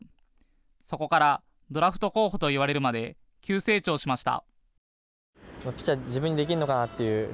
そこからドラフト候補と言われるまで急成長しました。